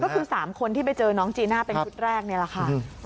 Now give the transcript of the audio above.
ก็คือ๓คนที่ไปเจอน้องจีน่าเป็นชุดแรกนี่แหละค่ะ